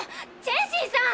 チェンシンさん！